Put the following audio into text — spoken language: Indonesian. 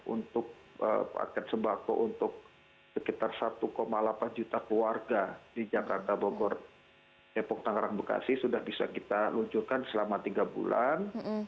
untuk paket sembako untuk sekitar satu delapan juta keluarga di jakarta bogor depok tangerang bekasi sudah bisa kita luncurkan selama tiga bulan